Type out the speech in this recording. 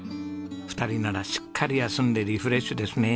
２人ならしっかり休んでリフレッシュですね。